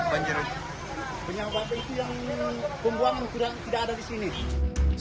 penyebab itu yang pembuangan tidak ada disini